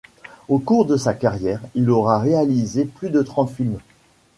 Au cours de sa carrière, il aura réalisé plus de trente films.